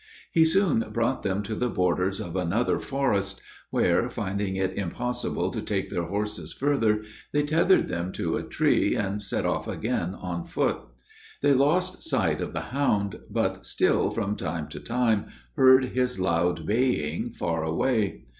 He soon brought them to the borders of another forest, where, finding it impossible to take their horses further, they tethered them to a tree, and set off again on foot. They lost sight of the hound, but still, from time to time, heard his loud baying far away.